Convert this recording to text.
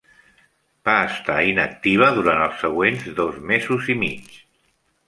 Va estar inactiva durant els següents dos mesos i mig.